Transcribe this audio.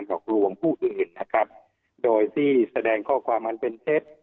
หลอกลวงผู้อื่นนะครับโดยที่แสดงข้อความอันเป็นเท็จ